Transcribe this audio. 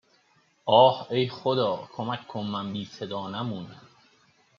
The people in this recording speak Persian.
آه ای خدا کمک کن من بی صدا نمونم